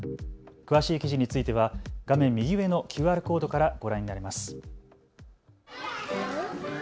詳しい記事については画面右上のＱＲコードからご覧になれます。